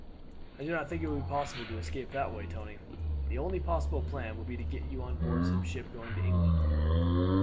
"No, I do not think it will be possible to escape that way, Tony. The only possible plan would be to get you on board some ship going to England."